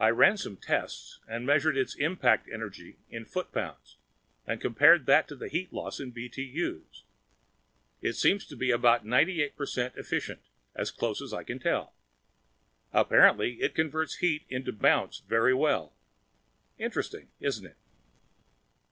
I ran some tests measured its impact energy in foot pounds and compared that with the heat loss in BTUs. Seemed to be about 98 per cent efficient, as close as I could tell. Apparently it converts heat into bounce very well. Interesting, isn't it?"